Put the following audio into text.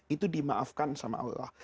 itu dimaafkan oleh allah